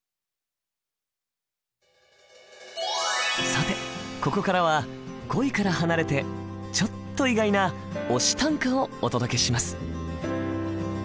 さてここからは「恋」から離れてちょっと意外な「推し」短歌をお届けします。